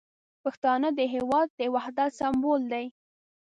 پښتانه د هیواد د وحدت سمبول دي.